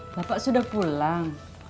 bapak sudah pulang